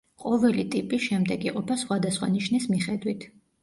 ყოველი ტიპი შემდეგ იყოფა სხვადასხვა ნიშნის მიხედვით.